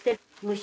虫。